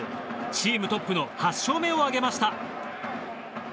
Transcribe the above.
チームトップの８勝目を挙げました。